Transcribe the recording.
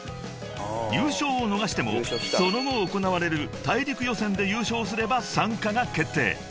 ［優勝を逃してもその後行われる大陸予選で優勝すれば参加が決定］